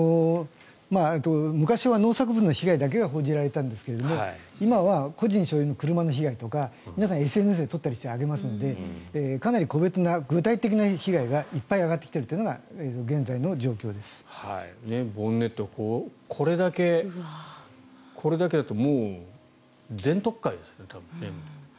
昔は農作物の被害だけが報じられたんですが今は個人所有の車の被害とか皆さん、ＳＮＳで撮って上げたりしますのでかなり個別な、具体的な被害がいっぱい上がってきているというのがボンネット、これだけだともう全取り換えですよね。